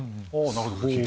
なるほど。